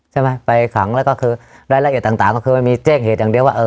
ไปขังแล้วก็คือรายละเอียดต่างก็คือมันมีแจ้งเหตุอย่างเดียวว่าเออ